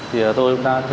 em kiểm tra thông tin nhé